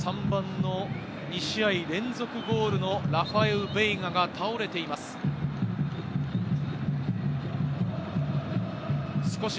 ２３番の２試合連続ゴールのラファエウ・ベイガが倒れています。